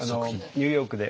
ニューヨークで。